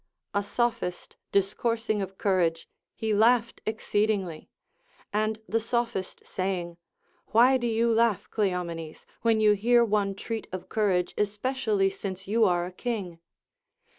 A Sophist discoursing of courage, he laughed exceedingly ; and the Sophist saying. Why do you laugh, Cleomenes, when you hear one treat of courage, especially since you are a king?